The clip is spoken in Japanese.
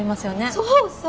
そうそう。